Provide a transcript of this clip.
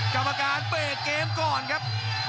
กรรมการเปิดเกมก่อนครับ